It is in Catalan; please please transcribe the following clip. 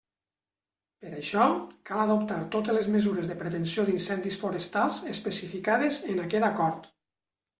Per això, cal adoptar totes les mesures de prevenció d'incendis forestals especificades en aquest Acord.